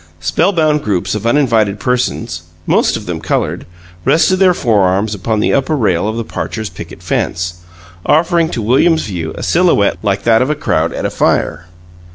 Spellbound groups of uninvited persons, most of them colored, rested their forearms upon the upper rail of the Parchers' picket fence, offering to William's view a silhouette like that of a crowd at a fire.